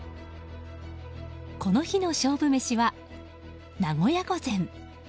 この日の勝負メシは、名古屋御膳。